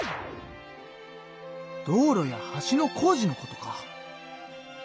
道路や橋の工事のことか。